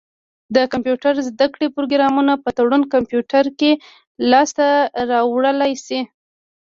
د کمپيوټر زده کړي پروګرامونه په تړون کمپيوټر کي لاسته را وړلای سی.